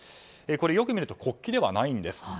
よく見ると、国旗ではないんです。